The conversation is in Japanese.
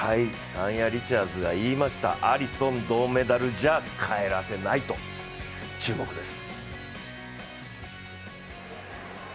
サンヤ・リチャーズが言いました、アリソン、銅メダルじゃ帰らせないと、注目です。